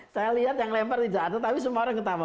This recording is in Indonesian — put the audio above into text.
saya lihat yang lempar tidak ada tapi semua orang ketawa